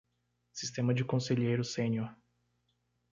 Sistema de conselheiro sênior